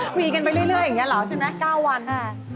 คุยกันไปเรื่อยอย่างนี้เหรอใช่ไหม๙วัน